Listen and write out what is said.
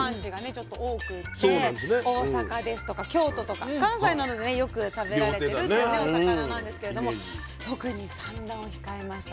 ちょっと多くって大阪ですとか京都とか関西などでねよく食べられてるっていうねお魚なんですけれども特に産卵を控えました